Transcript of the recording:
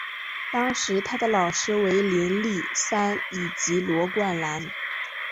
当时他的老师为林立三以及罗冠兰。